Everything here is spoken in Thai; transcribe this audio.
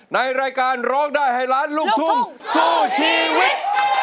ในรายการร้องได้ให้ล้านลูกทุ่งสู้ชีวิต